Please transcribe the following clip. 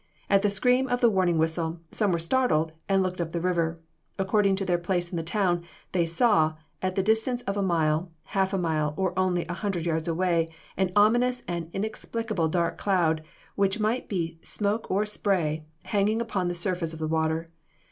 At the scream of the warning whistle, some were startled, and looked up the river. According to their place in the town, they saw, at the distance of a mile, half a mile, or only a hundred yards away, an ominous and inexplicable dark cloud, which might be smoke or spray, hanging upon the surface of the water.